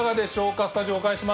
スタジオお返しします。